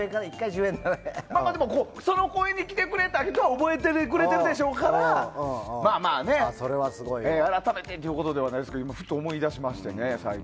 でも、その公演に来てくれた人は覚えてくれているでしょうからまあまあ改めてということじゃないですけどふと思い出しましてね。